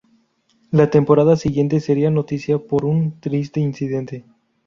La temporada siguiente sería noticia por un triste incidente.